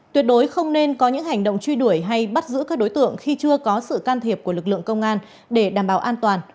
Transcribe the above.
tuyệt đối không nên có những hành động truy đuổi hay bắt giữ các đối tượng khi chưa có sự can thiệp của lực lượng công an để đảm bảo an toàn